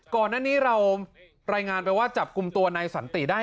ก่อนหน้านี้เรารายงานไปว่าจับกลุ่มตัวนายสันติได้